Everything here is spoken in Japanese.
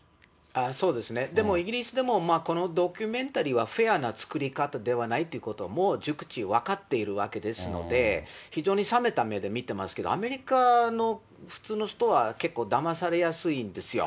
そうですね、でも、イギリスでも、このドキュメンタリーはフェアな作り方ではないっていうこと、もう熟知、分かっているわけですので、非常に冷めた目で見てますけど、アメリカの普通の人は、結構、だまされやすいんですよ。